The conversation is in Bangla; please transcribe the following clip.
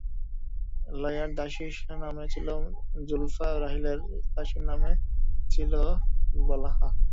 লায়্যার দাসীর নাম ছিল যুলফা এবং রাহীলের দাসীর নাম ছিল বালহা।